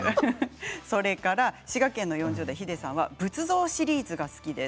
それから滋賀県４０代の方は仏像シリーズが好きです。